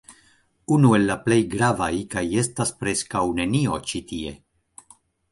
Unu el la plej gravaj kaj estas preskaŭ nenio ĉi tie